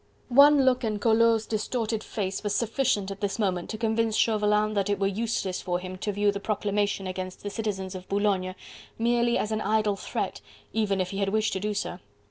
One look in Collot's distorted face was sufficient at this moment to convince Chauvelin that it were useless for him to view the proclamation against the citizens of Boulogne merely as an idle threat, even if he had wished to do so.